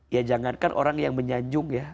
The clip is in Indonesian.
ya jangankan orang yang menyanjung ya